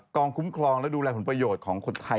คุ้มครองและดูแลผลประโยชน์ของคนไทย